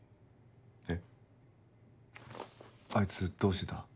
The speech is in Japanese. えっあいつどうしてた？